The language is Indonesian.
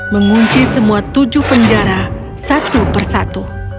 mengunci semua tujuh penjara satu per satu